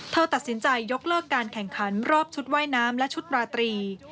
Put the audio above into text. เธอตัดสินใจยกเลิกการแข่งขันรอบชุดว่ายน้ำและชุดราตรี